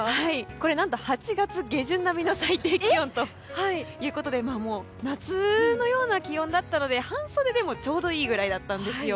これ８月下旬並みの最低気温ということで夏のような気温だったので半袖でもちょうどいいぐらいだったんですよ。